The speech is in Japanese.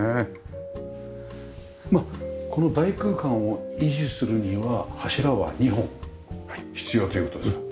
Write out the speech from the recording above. この大空間を維持するには柱は２本必要という事ですか？